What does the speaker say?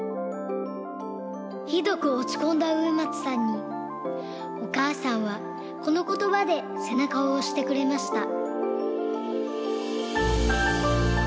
ひどくおちこんだ植松さんにおかあさんはこのことばでせなかをおしてくれました。